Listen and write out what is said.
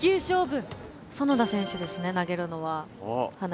苑田選手ですね投げるのは。